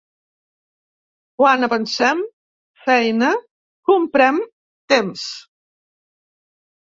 Quan avancem feina «comprem» temps.